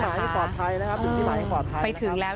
เป็นที่มาให้ปลอดภัยนะครับ